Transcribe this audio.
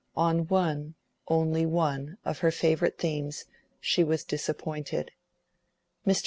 On one—only one—of her favorite themes she was disappointed. Mr.